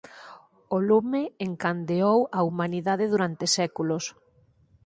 O lume encandeou á humanidade durante séculos.